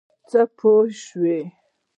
څه پوه شوې؟